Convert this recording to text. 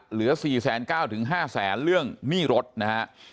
เหลือสี่แสนเก้าถึงห้าแสนเรื่องหนี้รถนะฮะ